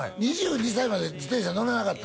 ２２歳まで自転車乗れなかったん？